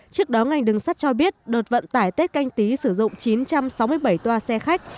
trước đó ngành đường sắt cho biết đợt vận tải tết canh tí sử dụng chín trăm sáu mươi bảy toa xe khách